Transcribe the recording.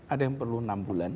ada yang perlu enam bulan